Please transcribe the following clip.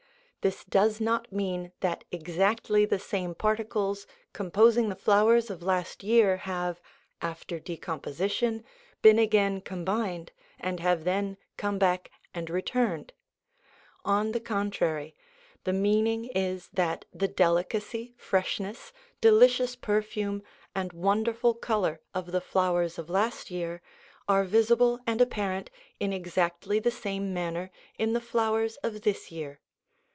This does not mean that exactly the same particles composing the flowers of last year have, after decomposition, been again combined, and have then come back and returned. On the contrary, the meaning is that the delicacy, freshness, delicious per fume, and wonderful colour of the flowers of last year are visible and apparent in exactly the same manner in the flowers of this year.